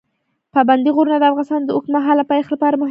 پابندی غرونه د افغانستان د اوږدمهاله پایښت لپاره مهم رول لري.